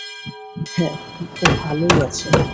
হ্যাঁ, ও ভালোই আছে।